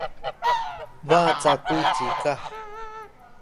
ba caku cikah